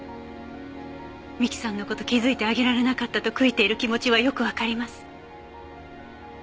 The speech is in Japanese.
美樹さんの事気づいてあげられなかったと悔いている気持ちはよくわかります。